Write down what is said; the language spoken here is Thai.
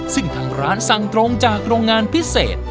ซึ่งทางร้านสั่งตรงจากโรงงานพิเศษ